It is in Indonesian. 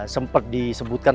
sempat disebutkan sebuah kata